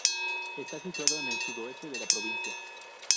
Está situado en el sudoeste de la provincia.